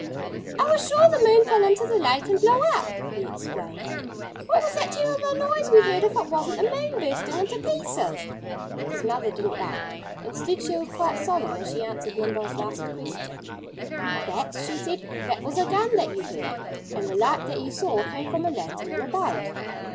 "I was sure the moon fell into the lake and blew up," he explained. "What was that terrible noise we heard if it wasn't the moon bursting into pieces?" His mother didn't laugh. Instead she was quite solemn as she answered Nimble's last question. "That " she said "that was a gun that you heard. And the light that you saw came from a lantern in a boat."